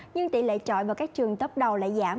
nhưng tỷ lệ trọi vào các trường tấp đầu lại giảm